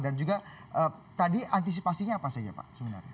dan juga tadi antisipasinya apa saja pak sebenarnya